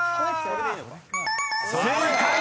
［正解！］